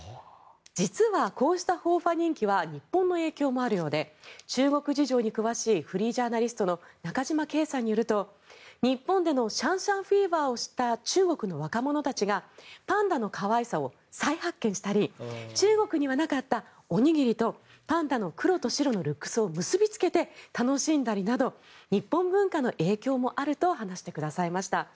実は、こうした和花人気は日本の影響もあるようで中国事情に詳しいフリージャーナリストの中島恵さんによると日本でのシャンシャンフィーバーを知った中国の若者たちがパンダの可愛さを再発見したり中国にはなかった、おにぎりとパンダの黒と白のルックスを結びつけて、楽しんだりなど日本文化の影響もあると話してくださいました。